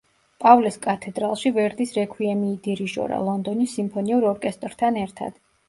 პავლეს კათედრალში ვერდის რექვიემი იდირიჟორა, ლონდონის სიმფონიურ ორკესტრთან ერთად.